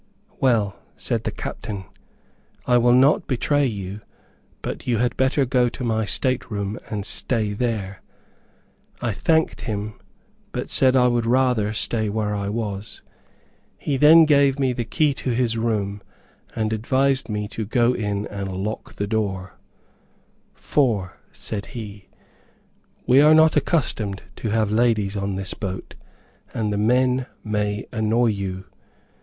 "Well," said the captain, "I will not betray you; but you had better go to my state room and stay there." I thanked him, but said I would rather stay where I was. He then gave me the key to his room, and advised me to go in and lock the door, "for," said he, "we are not accustomed to have ladies in this boat, and the men may annoy you.